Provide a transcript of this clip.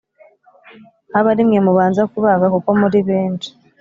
abe ari mwe mubanza kubaga kuko muri benshi